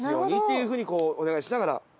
いう風にお願いしながら。